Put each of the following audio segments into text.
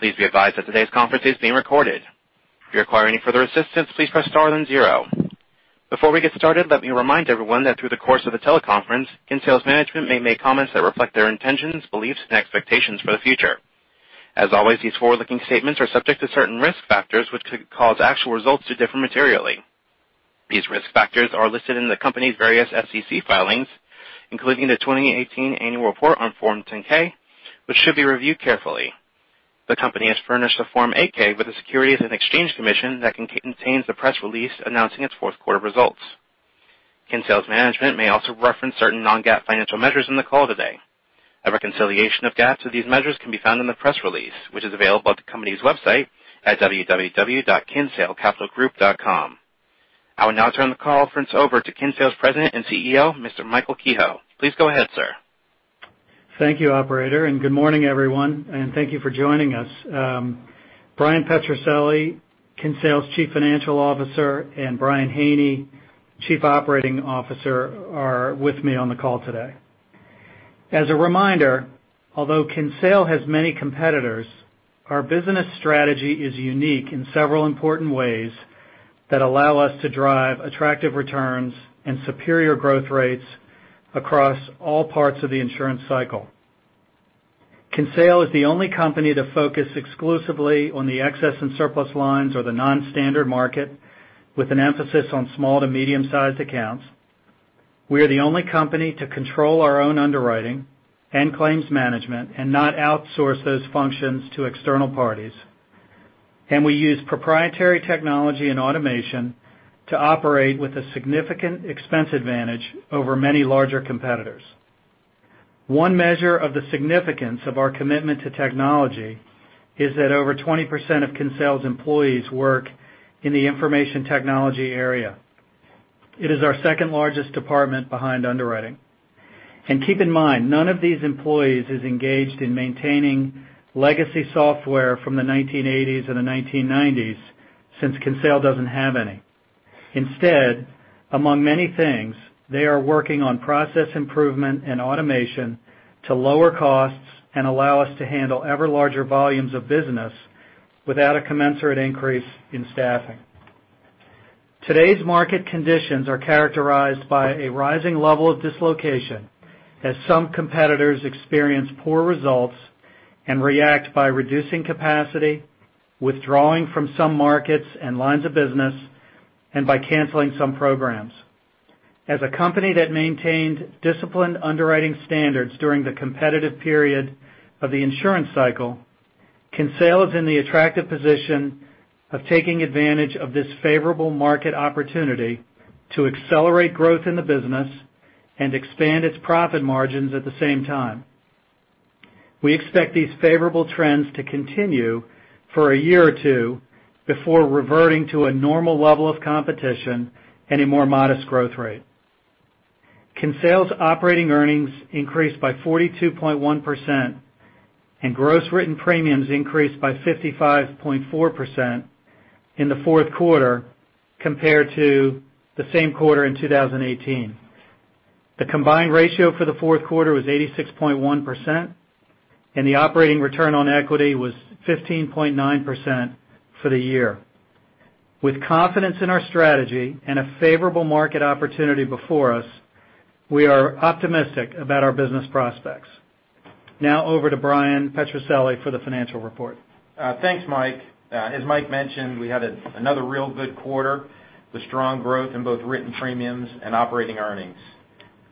Please be advised that today's conference is being recorded. If you require any further assistance, please press star then zero. Before we get started, let me remind everyone that through the course of the teleconference, Kinsale's management may make comments that reflect their intentions, beliefs, and expectations for the future. As always, these forward-looking statements are subject to certain risk factors, which could cause actual results to differ materially. These risk factors are listed in the company's various SEC filings, including the 2018 annual report on Form 10-K, which should be reviewed carefully. The company has furnished a Form 8-K with the Securities and Exchange Commission that contains the press release announcing its fourth quarter results. Kinsale's management may also reference certain non-GAAP financial measures in the call today. A reconciliation of GAAP to these measures can be found in the press release, which is available at the company's website at www.kinsalecapitalgroup.com. I will now turn the conference over to Kinsale's President and CEO, Mr. Michael Kehoe. Please go ahead, sir. Thank you, operator, and good morning, everyone, and thank you for joining us. Bryan Petrucelli, Kinsale's Chief Financial Officer, and Brian Haney, Chief Operating Officer, are with me on the call today. As a reminder, although Kinsale has many competitors, our business strategy is unique in several important ways that allow us to drive attractive returns and superior growth rates across all parts of the insurance cycle. Kinsale is the only company to focus exclusively on the excess and surplus lines or the non-standard market with an emphasis on small to medium-sized accounts. We are the only company to control our own underwriting and claims management and not outsource those functions to external parties. We use proprietary technology and automation to operate with a significant expense advantage over many larger competitors. One measure of the significance of our commitment to technology is that over 20% of Kinsale's employees work in the information technology area. It is our second-largest department behind underwriting. Keep in mind, none of these employees is engaged in maintaining legacy software from the 1980s and the 1990s since Kinsale doesn't have any. Instead, among many things, they are working on process improvement and automation to lower costs and allow us to handle ever larger volumes of business without a commensurate increase in staffing. Today's market conditions are characterized by a rising level of dislocation as some competitors experience poor results and react by reducing capacity, withdrawing from some markets and lines of business, and by canceling some programs. As a company that maintained disciplined underwriting standards during the competitive period of the insurance cycle, Kinsale is in the attractive position of taking advantage of this favorable market opportunity to accelerate growth in the business and expand its profit margins at the same time. We expect these favorable trends to continue for a year or two before reverting to a normal level of competition and a more modest growth rate. Kinsale's operating earnings increased by 42.1% and gross written premiums increased by 55.4% in the fourth quarter compared to the same quarter in 2018. The combined ratio for the fourth quarter was 86.1% and the operating return on equity was 15.9% for the year. With confidence in our strategy and a favorable market opportunity before us, we are optimistic about our business prospects. Over to Bryan Petrucelli for the financial report. Thanks, Mike. As Mike mentioned, we had another real good quarter with strong growth in both written premiums and operating earnings.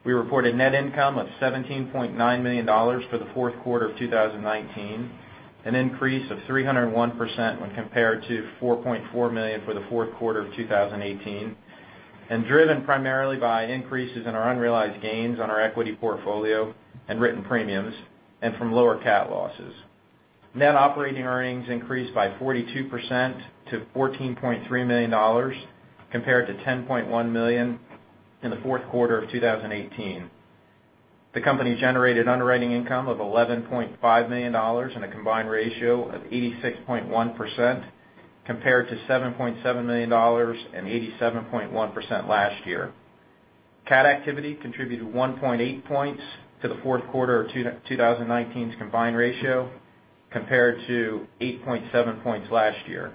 We reported net income of $17.9 million for the fourth quarter of 2019, an increase of 301% when compared to $4.4 million for the fourth quarter of 2018, driven primarily by increases in our unrealized gains on our equity portfolio and written premiums and from lower cat losses. Net operating earnings increased by 42% to $14.3 million, compared to $10.1 million in the fourth quarter of 2018. The company generated underwriting income of $11.5 million and a combined ratio of 86.1% compared to $7.7 million and 87.1% last year. Cat activity contributed 1.8 points to the fourth quarter of 2019's combined ratio compared to 8.7 points last year.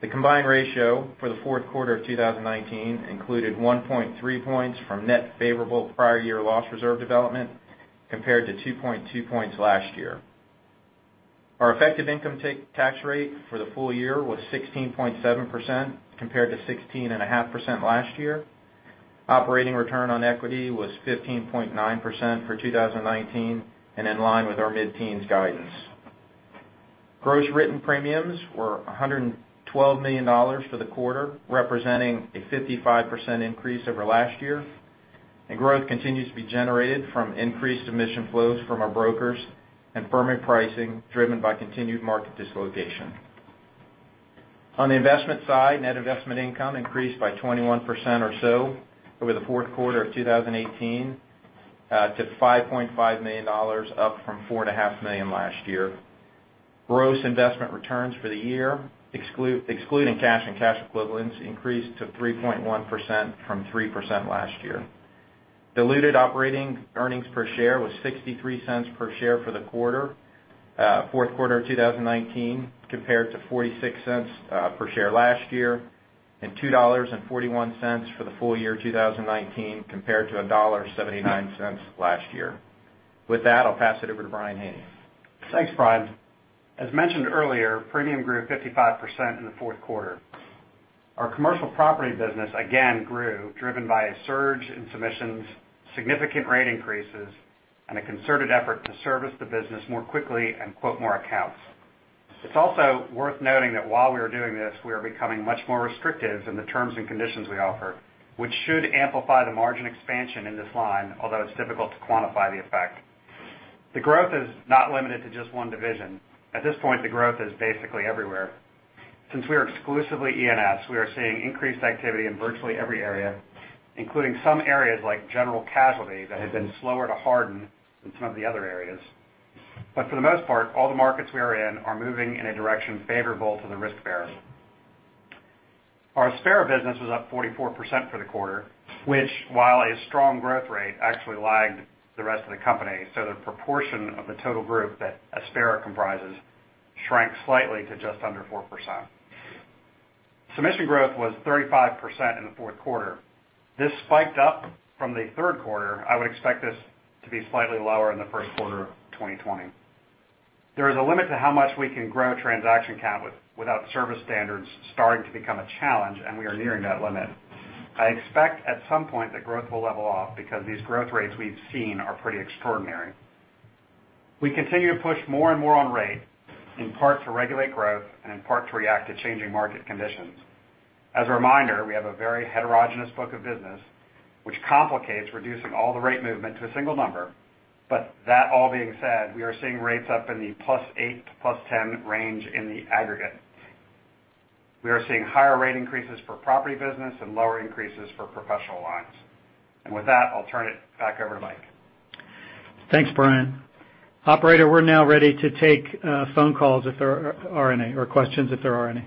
The combined ratio for the fourth quarter of 2019 included 1.3 points from net favorable prior year loss reserve development compared to 2.2 points last year. Our effective income tax rate for the full year was 16.7% compared to 16.5% last year. Operating return on equity was 15.9% for 2019 in line with our mid-teens guidance. Gross written premiums were $112 million for the quarter, representing a 55% increase over last year, growth continues to be generated from increased submission flows from our brokers and firming pricing driven by continued market dislocation. On the investment side, net investment income increased by 21% or so over the fourth quarter of 2018 to $5.5 million, up from $4.5 million last year. Gross investment returns for the year, excluding cash and cash equivalents, increased to 3.1% from 3% last year. Diluted operating earnings per share was $0.63 per share for the quarter, fourth quarter 2019, compared to $0.46 per share last year, $2.41 for the full year 2019 compared to $1.79 last year. With that, I'll pass it over to Brian Haney. Thanks, Brian. As mentioned earlier, premium grew 55% in the fourth quarter. Our commercial property business again grew, driven by a surge in submissions, significant rate increases, and a concerted effort to service the business more quickly and quote more accounts. It's also worth noting that while we are doing this, we are becoming much more restrictive in the terms and conditions we offer, which should amplify the margin expansion in this line, although it's difficult to quantify the effect. The growth is not limited to just one division. At this point, the growth is basically everywhere. Since we are exclusively E&S, we are seeing increased activity in virtually every area, including some areas like general casualty that have been slower to harden than some of the other areas. For the most part, all the markets we are in are moving in a direction favorable to the risk bearer. Our Aspera business was up 44% for the quarter, which while a strong growth rate, actually lagged the rest of the company. The proportion of the total group that Aspera comprises shrank slightly to just under 4%. Submission growth was 35% in the fourth quarter. This spiked up from the third quarter. I would expect this to be slightly lower in the first quarter of 2020. There is a limit to how much we can grow transaction count without service standards starting to become a challenge, and we are nearing that limit. I expect at some point that growth will level off because these growth rates we've seen are pretty extraordinary. We continue to push more and more on rate, in part to regulate growth and in part to react to changing market conditions. As a reminder, we have a very heterogeneous book of business, which complicates reducing all the rate movement to a single number. That all being said, we are seeing rates up in the +8 to +10 range in the aggregate. We are seeing higher rate increases for property business and lower increases for professional lines. With that, I'll turn it back over to Mike. Thanks, Brian. Operator, we're now ready to take phone calls if there are any, or questions if there are any.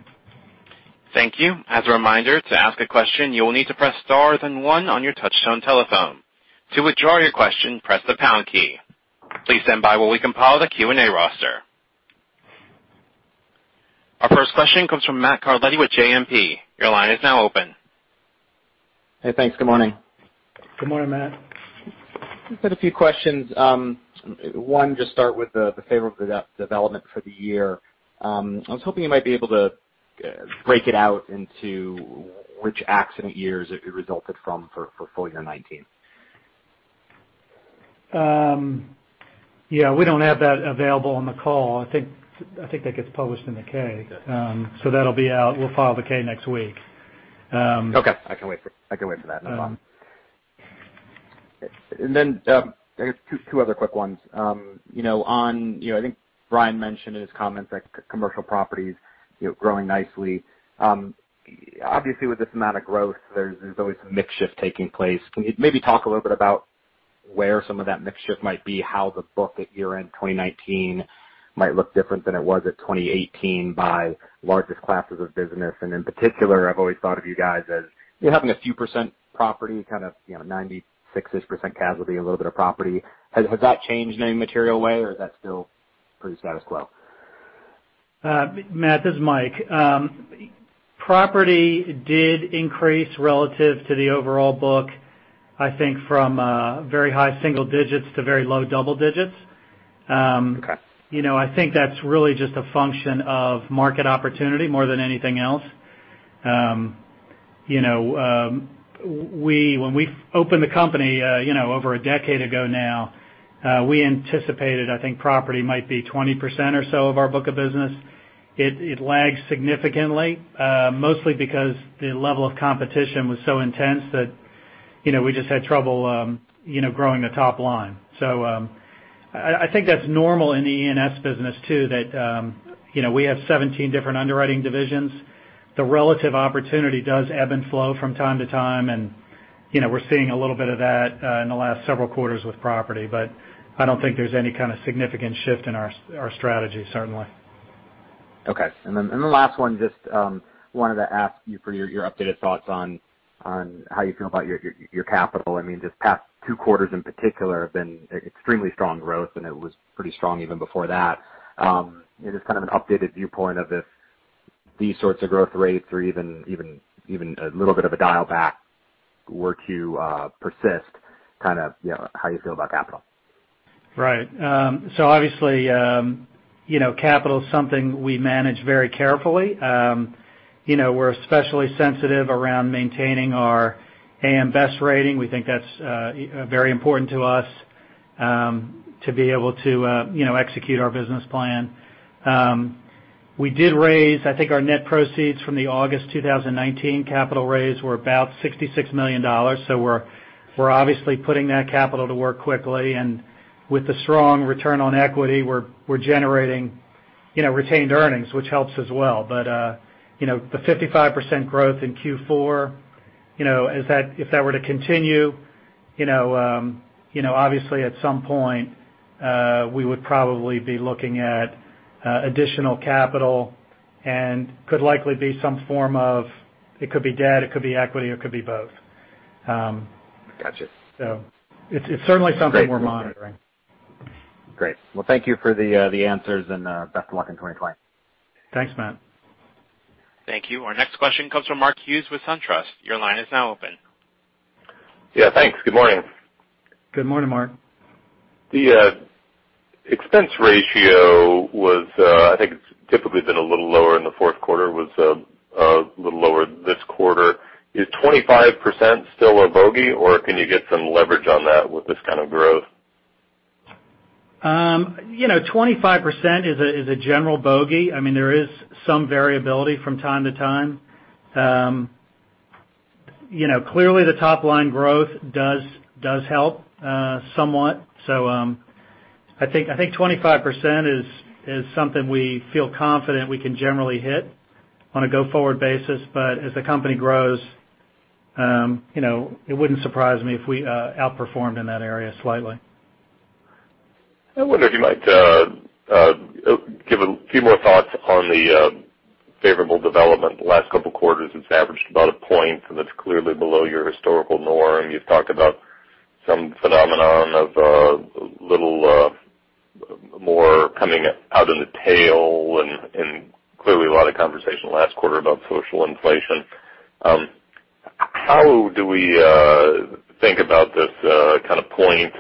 Thank you. As a reminder, to ask a question, you will need to press star then one on your touchtone telephone. To withdraw your question, press the pound key. Please stand by while we compile the Q&A roster. Our first question comes from Matt Carletti with JMP. Your line is now open. Hey, thanks. Good morning. Good morning, Matt. I've got a few questions. One, just start with the favorable development for the year. I was hoping you might be able to break it out into which accident years it resulted from for full year 2019. Yeah, we don't have that available on the call. I think that gets published in the K. Okay. That'll be out, we'll file the K next week. Okay. I can wait for that. Not a problem. I guess two other quick ones. I think Brian mentioned in his comments that commercial property is growing nicely. Obviously, with this amount of growth, there's always some mix shift taking place. Can you maybe talk a little bit about where some of that mix shift might be, how the book at year-end 2019 might look different than it was at 2018 by largest classes of business? In particular, I've always thought of you guys as having a few % property, kind of 96%-ish casualty, a little bit of property. Has that changed in any material way, or is that still pretty status quo? Matt, this is Mike. Property did increase relative to the overall book, I think from very high single digits to very low double digits. Okay. I think that's really just a function of market opportunity more than anything else. When we opened the company over a decade ago now, we anticipated, I think, property might be 20% or so of our book of business. It lagged significantly, mostly because the level of competition was so intense that we just had trouble growing the top line. I think that's normal in the E&S business too, that we have 17 different underwriting divisions. The relative opportunity does ebb and flow from time to time, and we're seeing a little bit of that in the last several quarters with property. I don't think there's any kind of significant shift in our strategy, certainly. Okay. The last one, just wanted to ask you for your updated thoughts on how you feel about your capital. I mean, this past two quarters in particular have been extremely strong growth, and it was pretty strong even before that. Just kind of an updated viewpoint of if these sorts of growth rates or even a little bit of a dial back were to persist, how you feel about capital. Right. Obviously, capital is something we manage very carefully. We're especially sensitive around maintaining our AM Best rating. We think that's very important to us to be able to execute our business plan. We did raise, I think our net proceeds from the August 2019 capital raise were about $66 million. We're obviously putting that capital to work quickly, and with the strong return on equity, we're generating retained earnings, which helps as well. The 55% growth in Q4, if that were to continue, obviously at some point, we would probably be looking at additional capital. Could likely be some form of, it could be debt, it could be equity, or it could be both. Got you. It's certainly something we're monitoring. Well, thank you for the answers and best of luck in 2020. Thanks, Matt. Thank you. Our next question comes from Mark Hughes with SunTrust. Your line is now open. Yeah. Thanks. Good morning. Good morning, Mark. The expense ratio, I think it's typically been a little lower in the fourth quarter, was a little lower this quarter. Is 25% still a bogey, or can you get some leverage on that with this kind of growth? 25% is a general bogey. There is some variability from time to time. Clearly the top-line growth does help somewhat. I think 25% is something we feel confident we can generally hit on a go-forward basis. As the company grows, it wouldn't surprise me if we outperformed in that area slightly. I wonder if you might give a few more thoughts on the favorable development. The last 2 quarters it is averaged about a point, and that is clearly below your historical norm. You have talked about some phenomenon of a little more coming out in the tail, and clearly a lot of conversation last quarter about social inflation. How do we think about this kind of point?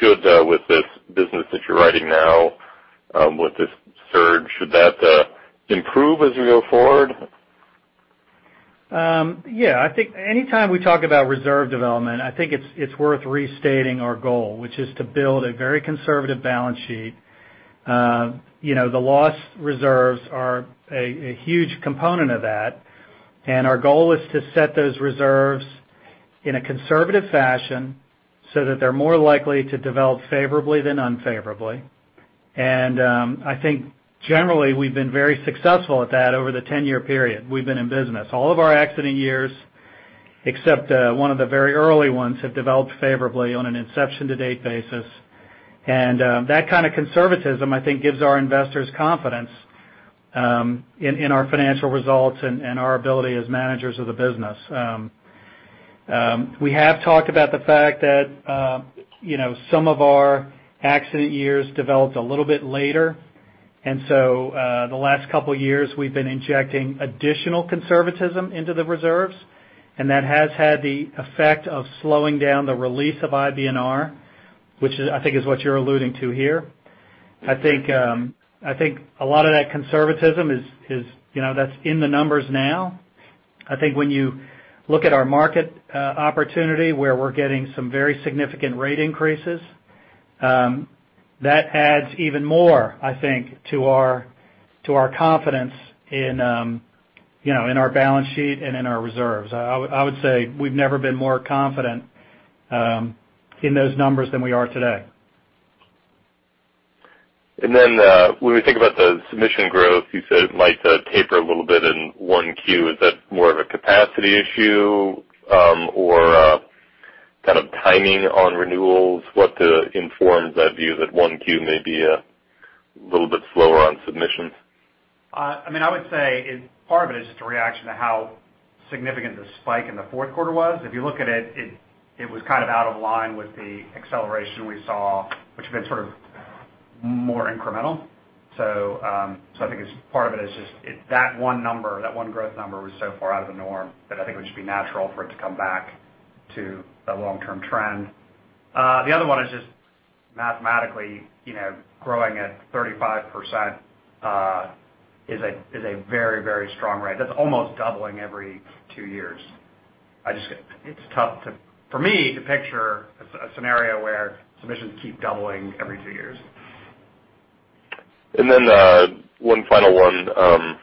Should with this business that you are writing now, with this surge, should that improve as we go forward? Yeah. I think anytime we talk about reserve development, I think it is worth restating our goal, which is to build a very conservative balance sheet. The loss reserves are a huge component of that, and our goal is to set those reserves in a conservative fashion so that they are more likely to develop favorably than unfavorably. I think generally we have been very successful at that over the 10-year period we have been in business. All of our accident years, except one of the very early ones, have developed favorably on an inception to date basis. That kind of conservatism, I think, gives our investors confidence in our financial results and our ability as managers of the business. We have talked about the fact that some of our accident years developed a little bit later. The last 2 years we have been injecting additional conservatism into the reserves, and that has had the effect of slowing down the release of IBNR, which I think is what you are alluding to here. I think a lot of that conservatism, that is in the numbers now. I think when you look at our market opportunity where we are getting some very significant rate increases, that adds even more, I think, to our confidence in our balance sheet and in our reserves. I would say we have never been more confident in those numbers than we are today. When we think about the submission growth, you said it might taper a little bit in 1Q. Is that more of a capacity issue or kind of timing on renewals? What informs that view that 1Q may be a little bit slower on submissions? I would say part of it is just a reaction to how significant the spike in the fourth quarter was. If you look at it was kind of out of line with the acceleration we saw, which has been sort of more incremental. I think part of it is just that one number, that one growth number was so far out of the norm that I think it would just be natural for it to come back to the long-term trend. The other one is just mathematically, growing at 35% is a very strong rate. That's almost doubling every two years. It's tough, for me, to picture a scenario where submissions keep doubling every two years. One final one.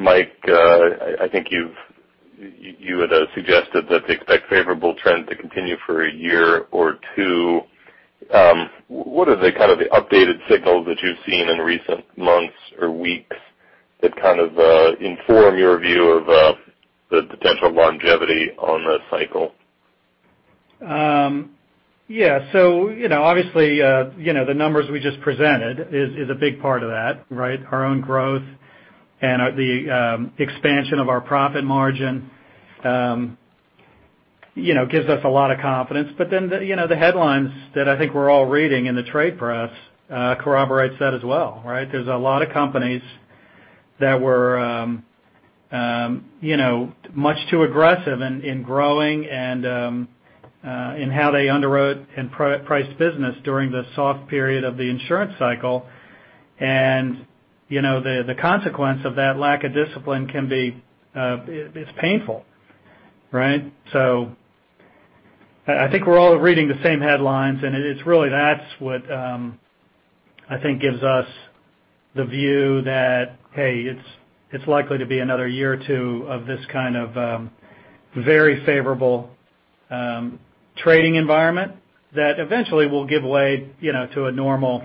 Mike, I think you had suggested that they expect favorable trends to continue for a year or two. What are the kind of the updated signals that you've seen in recent months or weeks that kind of inform your view of the potential longevity on the cycle? Obviously, the numbers we just presented is a big part of that, right? Our own growth and the expansion of our profit margin gives us a lot of confidence. The headlines that I think we're all reading in the trade press corroborates that as well, right? There's a lot of companies that were much too aggressive in growing and in how they underwrote and priced business during the soft period of the insurance cycle. The consequence of that lack of discipline is painful, right? I think we're all reading the same headlines, and it is really that's what I think gives us the view that, hey, it's likely to be another year or two of this kind of very favorable trading environment that eventually will give way to a normal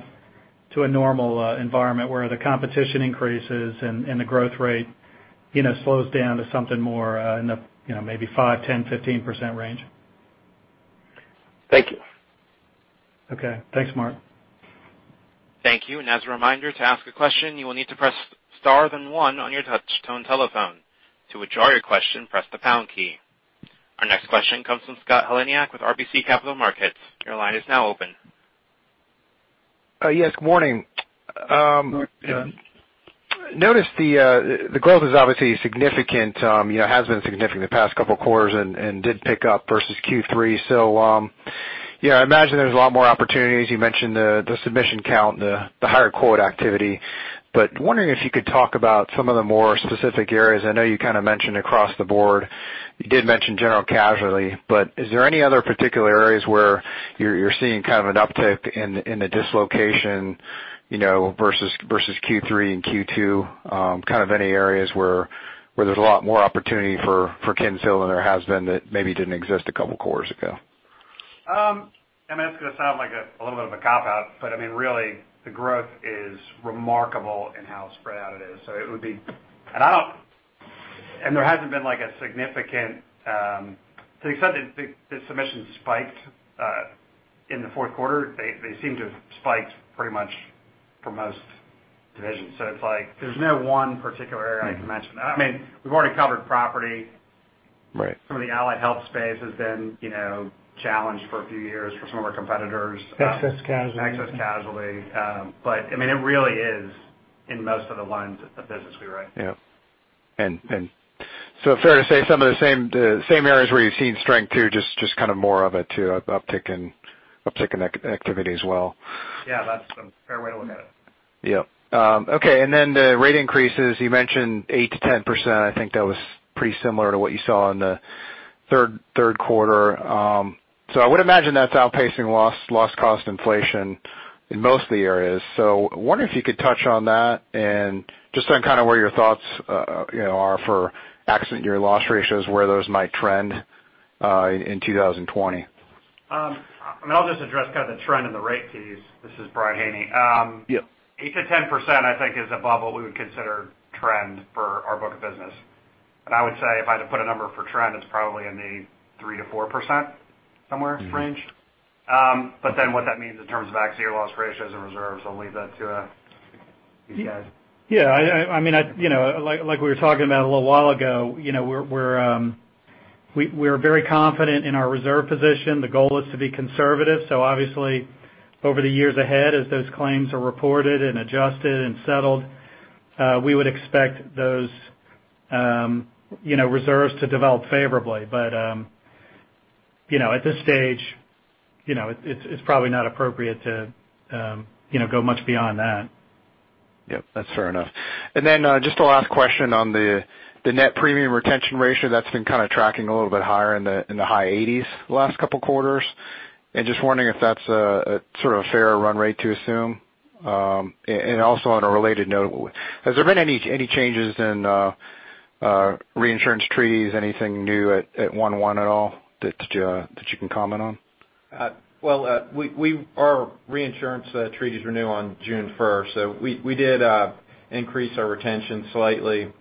environment where the competition increases and the growth rate slows down to something more in the maybe 5%, 10%, 15% range. Thank you. Okay. Thanks, Mark. Thank you. As a reminder, to ask a question, you will need to press Star then One on your touch tone telephone. To withdraw your question, press the pound key. Our next question comes from Scott Heleniak with RBC Capital Markets. Your line is now open. Yes, good morning. Good morning. Notice the growth is obviously significant, has been significant the past couple of quarters and did pick up versus Q3. I imagine there's a lot more opportunities. You mentioned the submission count, the higher quote activity. Wondering if you could talk about some of the more specific areas. I know you kind of mentioned across the board, you did mention general casualty, but is there any other particular areas where you're seeing kind of an uptick in the dislocation versus Q3 and Q2, kind of any areas where there's a lot more opportunity for Kinsale than there has been that maybe didn't exist a couple quarters ago? I mean, that's going to sound like a little bit of a cop-out, but I mean, really, the growth is remarkable in how spread out it is. To the extent that the submissions spiked, in the fourth quarter, they seem to have spiked pretty much for most divisions. It's like, there's no one particular area I can mention. I mean, we've already covered property. Right. Some of the allied health space has been challenged for a few years for some of our competitors. Excess casualty. Excess casualty. It really is in most of the lines of business we write. Yeah. Fair to say some of the same areas where you've seen strength too, just kind of more of a uptick in activity as well. Yeah, that's a fair way to look at it. Yep. Okay. The rate increases, you mentioned 8% to 10%. I think that was pretty similar to what you saw in the third quarter. I would imagine that's outpacing loss cost inflation in most of the areas. I wonder if you could touch on that and just on kind of where your thoughts are for accident year loss ratios, where those might trend, in 2020. I mean, I'll just address kind of the trend in the rate to use. This is Brian Haney. Yeah. 8% to 10%, I think is above what we would consider trend for our book of business. I would say if I had to put a number for trend, it's probably in the 3% to 4% somewhere range. What that means in terms of accident year loss ratios and reserves, I'll leave that to these guys. Yeah. Like we were talking about a little while ago, we're very confident in our reserve position. The goal is to be conservative. Obviously, over the years ahead, as those claims are reported and adjusted and settled, we would expect those reserves to develop favorably. At this stage, it's probably not appropriate to go much beyond that. Yep, that's fair enough. Just a last question on the net premium retention ratio that's been kind of tracking a little bit higher in the high 80s the last couple quarters. Just wondering if that's a sort of fair run rate to assume. Also on a related note, has there been any changes in reinsurance treaties, anything new at one-one at all that you can comment on? Well, our reinsurance treaties renew on June 1st. We did increase our retention slightly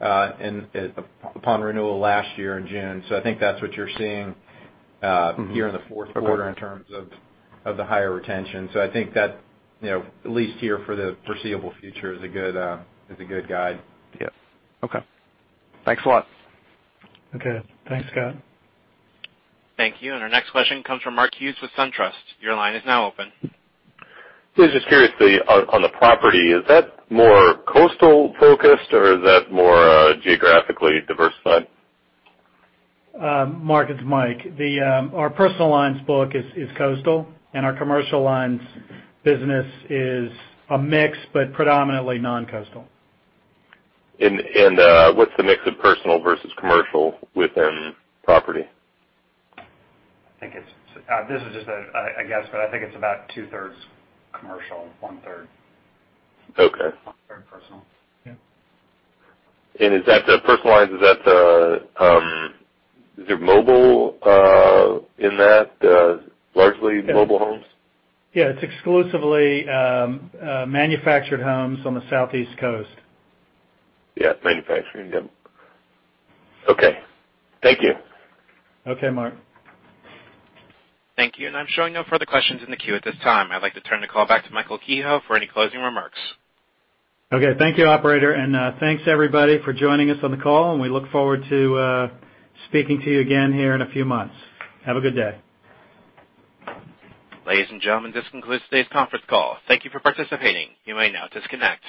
upon renewal last year in June. I think that at least here for the foreseeable future is a good guide. Yeah. Okay. Thanks a lot. Okay. Thanks, Scott. Thank you. Our next question comes from Mark Hughes with SunTrust. Your line is now open. Just curious, on the property, is that more coastal focused or is that more geographically diversified? Mark, it's Michael. Our personal lines book is coastal and our commercial lines business is a mix, but predominantly non-coastal. What's the mix of personal versus commercial within property? This is just a guess, but I think it's about two-thirds commercial, one-third- Okay one-third personal. Yeah. Personal lines, is it mobile in that, largely manufactured homes? Yeah, it's exclusively manufactured homes on the southeast coast. Yeah. Manufacturing. Yep. Okay. Thank you. Okay, Mark. Thank you. I'm showing no further questions in the queue at this time. I'd like to turn the call back to Michael Kehoe for any closing remarks. Okay. Thank you, operator. Thanks everybody for joining us on the call, and we look forward to speaking to you again here in a few months. Have a good day. Ladies and gentlemen, this concludes today's conference call. Thank you for participating. You may now disconnect.